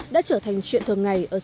đã trở thành chuyện thường ngày ở xóm đường